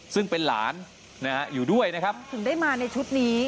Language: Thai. ซึ่งเป็นหลานนะฮะอยู่ด้วยนะครับถึงได้มาในชุดนี้